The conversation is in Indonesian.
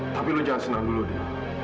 tapi lo jangan senang dulu dil